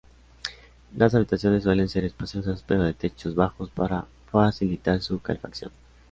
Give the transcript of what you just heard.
Las habitaciones suelen ser espaciosas pero de techos bajos para facilitar su calefacción.